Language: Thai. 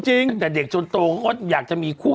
จากเด็กจนโตงอยากจะมีคู่